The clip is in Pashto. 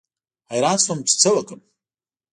حیران شوم چې څه وکړم.